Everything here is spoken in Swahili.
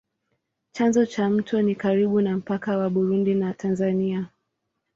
Chanzo cha mto ni karibu na mpaka wa Burundi na Tanzania.